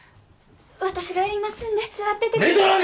私がやりますんで座ってて寝とらんか